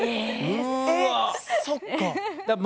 そっか。